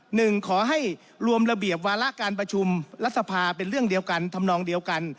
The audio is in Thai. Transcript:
หนึ่งขอให้รวมระเบียบวาระการประชุมรัฐสภาเป็นเรื่องเดียวกันทำนองเดียวกัน